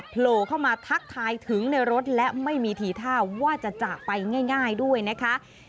โผล่เข้ามาทักทายถึงในรถและไม่มีทีท่าว่าจะจากไปง่ายด้วยนะคะ